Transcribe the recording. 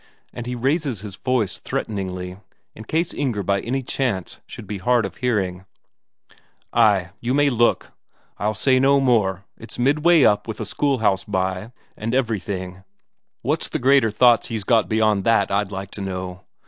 And he raises his voice threateningly, in case Inger by any chance should be hard of hearing. "Ay, you may look; I'll say no mere. It's midway up, with a schoolhouse by, and everything; what's the greater thoughts he's got beyond that, I'd like to know?